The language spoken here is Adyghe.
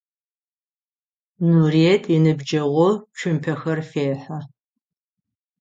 Нурыет иныбджэгъу цумпэхэр фехьы.